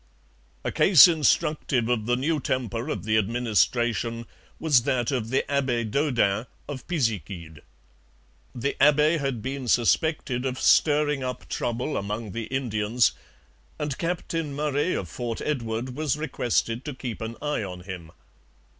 A case instructive of the new temper of the administration was that of the Abbe Daudin of Pisiquid. The abbe had been suspected of stirring up trouble among the Indians, and Captain Murray of Fort Edward was requested to keep an eye on him.